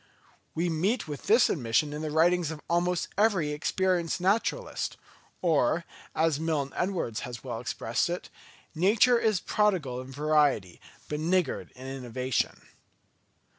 We meet with this admission in the writings of almost every experienced naturalist; or, as Milne Edwards has well expressed it, "Nature is prodigal in variety, but niggard in innovation."